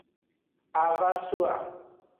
A vo so a.